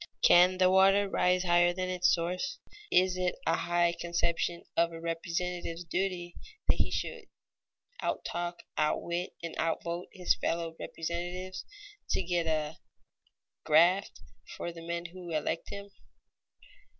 Can the water rise higher than its source? Is it a high conception of a representative's duty that he should out talk, outwit, and out vote his fellow representatives, to get "a graft" for the men who elect him?